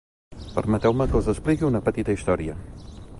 Permeteu-me que us expliqui una petita història.